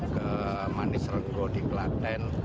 ke manisrenggo di klaten